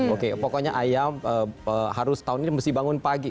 oke pokoknya ayam harus tahun ini mesti bangun pagi